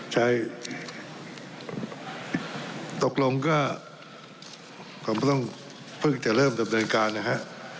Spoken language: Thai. ใช้ตกลงก็คงต้องเพิ่งจะเริ่มดำเนินการนะฮะ